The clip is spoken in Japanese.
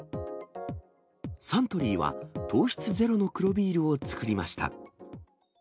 サントリーは糖質ゼロの黒ビールを作りました。